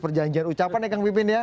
perjanjian ucapan ya kang pipin ya